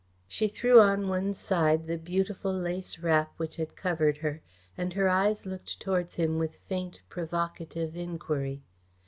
She threw on one side the beautiful lace wrap which had covered her, and her eyes looked towards him with faint, provocative enquiry.